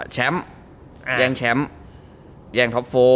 ฉัมแย่งแชมป์แย่งท็อป๔